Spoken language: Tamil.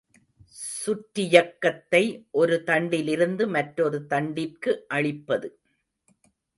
சுற்றியக்கத்தை ஒரு தண்டிலிருந்து மற்றொரு தண்டிற்கு அளிப்பது.